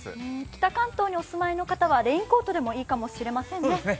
北関東にお住まいの方はレインコートでもいいかもしれませんね。